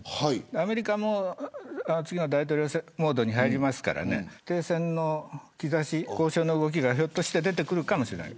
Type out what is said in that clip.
アメリカも次の大統領選のモードに入りますから停戦の兆し、交渉の動きが出てくるかもしれない。